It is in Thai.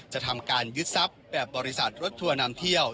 จะทำการยึดทรัพย์แบบบริษัทรถทัวร์นำเที่ยว